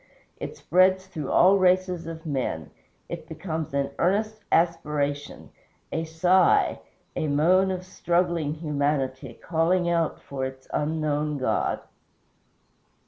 It spreads through all races of men; it becomes an earnest aspiration, a sigh, a moan of struggling humanity, crying out for its Unknown God.